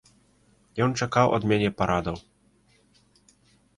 Ён чакаў ад мяне парадаў.